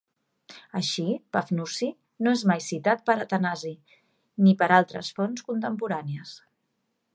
Així, Pafnuci no és citat mai per Atanasi ni per altres fonts contemporànies.